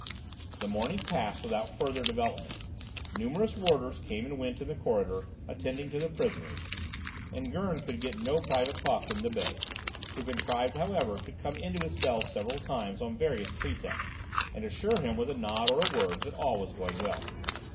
The morning passed without further developments; numerous warders came and went in the corridor, attending to the prisoners, and Gurn could get no private talk with Nibet, who contrived, however, to come into his cell several times on various pretexts and assure him with a nod or a word that all was going well.